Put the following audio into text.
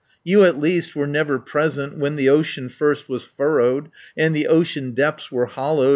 You at least were never present When the ocean first was furrowed, And the ocean depths were hollowed.